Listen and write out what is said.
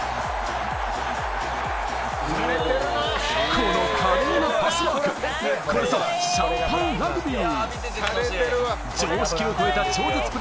この華麗なパスワーク、これぞシャンパンラグビー。